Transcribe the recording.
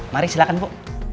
mari silahkan bu